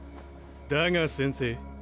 だが先生。